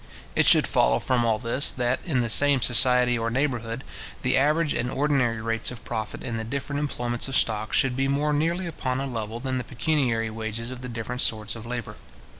It should follow from all this, that, in the same society or neighbourhood, the average and ordinary rates of profit in the different employments of stock should be more nearly upon a level than the pecuniary wages of the different sorts of labour.